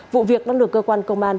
vụ việc đang được cơ quan công an